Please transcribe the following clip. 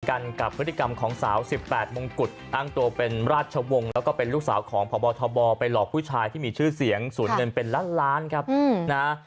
กันกับพฤติกรรมของสาว๑๘มงกุฎอ้างตัวเป็นราชวงศ์แล้วก็เป็นลูกสาวของพบทบไปหลอกผู้ชายที่มีชื่อเสียงสูญเงินเป็นล้านล้านครับนะ